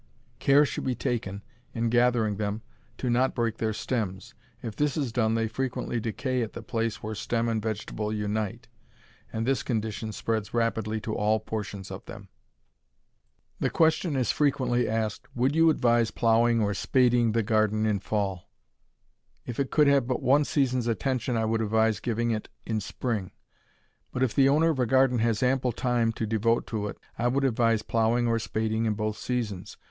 Care should be taken, in gathering them, to not break their stems. If this is done they frequently decay at the place where stem and vegetable unite, and this condition spreads rapidly to all portions of them. The question is frequently asked: Would you advise plowing or spading the garden in fall? If it could have but one season's attention, I would advise giving it in spring. But if the owner of a garden has ample time to devote to it, I would advise plowing or spading in both seasons.